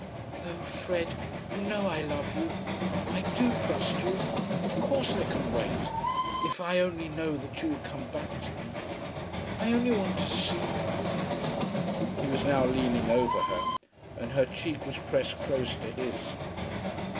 "Oh, Fred, you know I love you. I do trust you. Of course I can wait, if I only know that you will come back to me. I only want to see you." He was now leaning over her, and her cheek was pressed close to his.